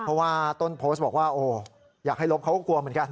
เพราะว่าต้นโพสต์บอกว่าโอ้อยากให้ลบเขาก็กลัวเหมือนกัน